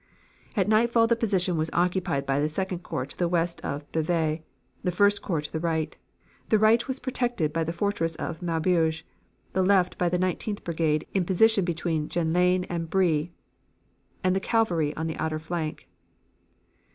"At nightfall the position was occupied by the Second Corps to the west of Bavai, the First Corps to the right. The right was protected by the Fortress of Maubeuge, the left by the Nineteenth Brigade in position between Jenlain and Bry, and the cavalry on the outer flank.